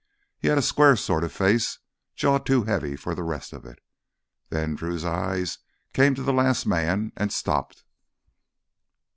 He had a square sort of face—jaw too heavy for the rest of it. Then, Drew's eyes came to the last man and stopped.